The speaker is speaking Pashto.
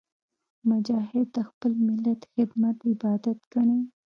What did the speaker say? مجاهد د خپل ملت خدمت عبادت ګڼي.